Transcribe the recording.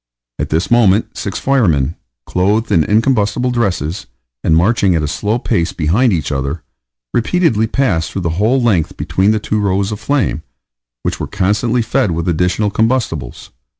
At this moment six firemen, clothed in the incombustible dresses, and marching at a slow pace behind each other, repeatedly passed through the whole length between the two rows of flame, which were constantly fed with additional combustibles.